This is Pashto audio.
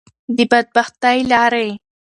د بدبختی لارې.